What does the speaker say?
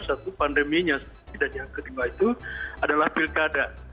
satu pandeminya dan yang kedua itu adalah pilkada